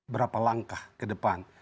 berapa langkah ke depan